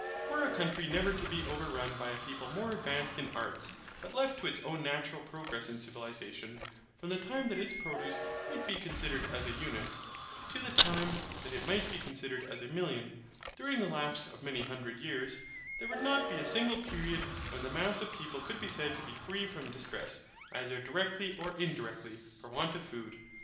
Were a country never to be overrun by a people more advanced in arts, but left to its own natural progress in civilization; from the time that its produce might be considered as an unit, to the time that it might be considered as a million, during the lapse of many hundred years, there would not be a single period when the mass of the people could be said to be free from distress, either directly or indirectly, for want of food.